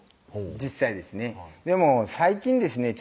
実際ですねでも最近ですね